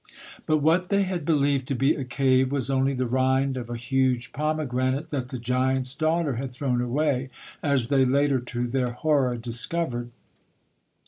But what they had believed to be a cave was only the rind of a huge pomegranate that the giant's daughter had thrown away, as they later, to their horror, discovered.